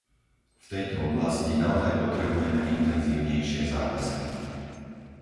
V tejto oblasti naozaj potrebujeme intenzívnejšie záväzky.